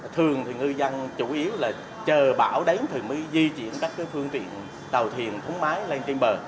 thường thì ngư dân chủ yếu là chờ bão đến thì mới di chuyển các phương tiện tàu thuyền thúng máy lên trên bờ